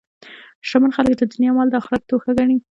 شتمن خلک د دنیا مال د آخرت توښه ګڼي.